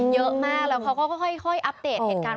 เยอะมากแล้วเขาก็ค่อยอัปเดตเหตุการณ์